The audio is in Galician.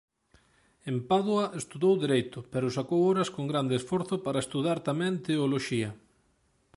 En Padua estudou Dereito pero sacou horas con grande esforzo para estudar tamén Teoloxía.